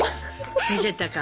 見せたか。